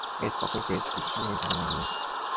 It is often credited with helping popularize wind music.